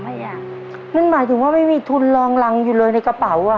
นั่นหมายถึงว่าไม่มีทุนรองรังอยู่เลยในกระเป๋า